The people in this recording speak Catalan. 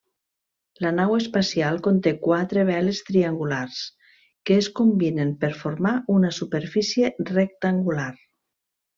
La nau espacial conté quatre veles triangulars, que es combinen per formar una superfície rectangular.